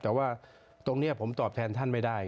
แต่ว่าตรงนี้ผมตอบแทนท่านไม่ได้